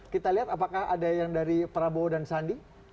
kita lihat apakah ada yang dari prabowo dan sandi